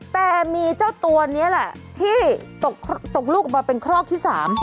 แต่มีเจ้าตัวนี้แหละที่ตกลูกออกมาเป็นครอกที่๓